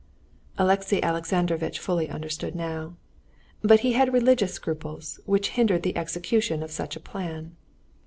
Alexey Alexandrovitch fully understood now. But he had religious scruples, which hindered the execution of such a plan.